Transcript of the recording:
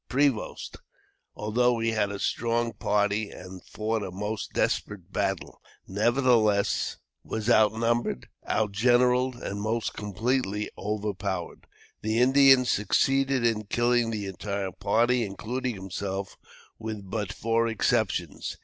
Prevost, although he had a strong party and fought a most desperate battle, nevertheless was outnumbered, outgeneralled, and most completely overpowered. The Indians succeeded in killing the entire party, including himself, with but four exceptions.